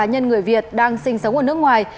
nhân người việt đang sinh sống ở nước ngoài